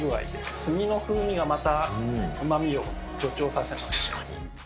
炭の風味がまたうまみを助長させます。